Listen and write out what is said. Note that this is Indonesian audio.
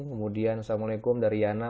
kemudian assalamualaikum dari yana